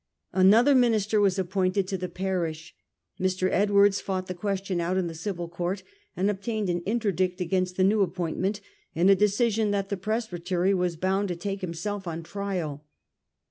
Another minister was appointed to the parish. Mr. Edwards fought the question out in the civil court and ob tained an interdict against the new appointment, and a decision that the presbytery were bound to take himself on trial.